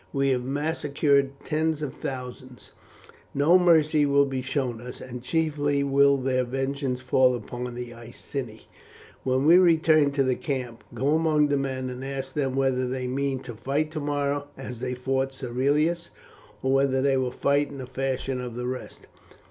We have massacred tens of thousands. No mercy will be shown us, and chiefly will their vengeance fall upon the Iceni. When we return to the camp, go among the men and ask them whether they mean to fight tomorrow as they fought Cerealis, or whether they will fight in the fashion of the rest.